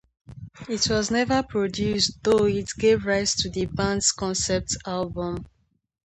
It was never produced, though it gave rise to the band's concept album.